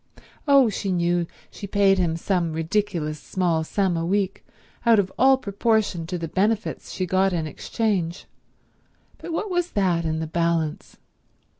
Oh, she knew she paid him some ridiculous small sum a week, out of all proportion to the benefits she got in exchange, but what was that in the balance?